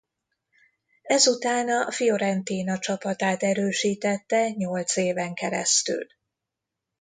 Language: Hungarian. Ezután a Fiorentina csapatát erősítette nyolc éven keresztül.